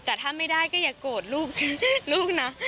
แต่ถ้าไม่ได้ก็อย่าโกรธลูกนะ